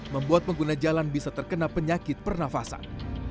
membuat pengguna jalan bisa terkena penyakit pernafasan